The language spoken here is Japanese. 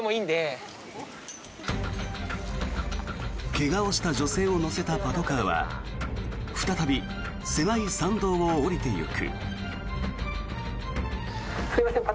怪我をした女性を乗せたパトカーは再び狭い参道を下りてゆく。